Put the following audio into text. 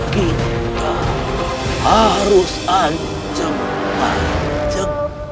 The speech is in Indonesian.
kita harus anjum anjum